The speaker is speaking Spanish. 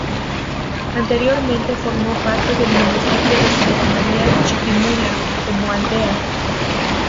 Anteriormente formó parte del municipio de Santa María Chiquimula como aldea.